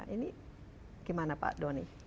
ini gimana pak doni